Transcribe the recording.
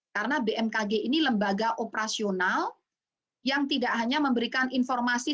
karena bmkg ini lembaga operasional yang tidak hanya memberikan informasi